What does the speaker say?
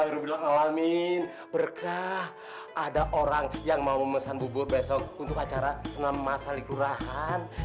alhamdulillah ya allah berkah ada orang yang mau memesan bubur besok untuk acara senam masal ikur rahan